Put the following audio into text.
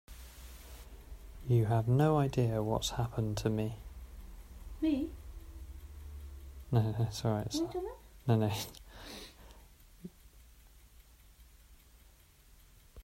You have no idea what's happened to me.